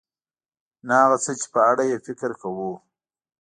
نه هغه څه چې په اړه یې فکر کوو .